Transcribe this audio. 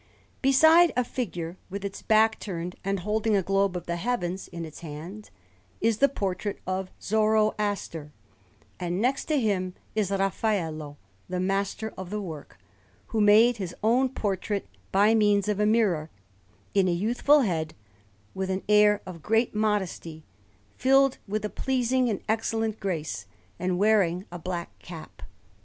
Beside a figure with its back turned and holding a globe of the heavens in its hand, is the portrait of Zoroaster; and next to him is Raffaello, the master of the work, who made his own portrait by means of a mirror, in a youthful head with an air of great modesty, filled with a pleasing and excellent grace, and wearing a black cap.